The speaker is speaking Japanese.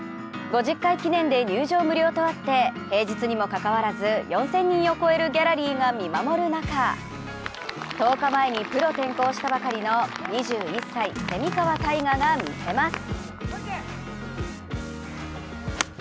５０回記念で入場無料とあって、平日にもかかわらず４０００人を超えるギャラリーが見守る中１０日前にプロ転向したばかりの２１歳、蝉川泰果が見せます。